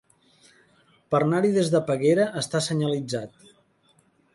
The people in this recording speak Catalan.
Per anar-hi des de Peguera està senyalitzat.